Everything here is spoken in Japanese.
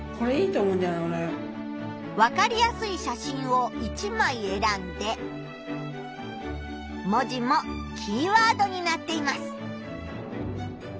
わかりやすい写真を１まいえらんで文字もキーワードになっています。